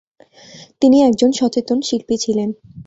তিনি একজন সচেতন শিল্পী ছিলেন।